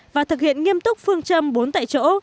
và thực hiện nghiêm túc phương châm bốn tại chỗ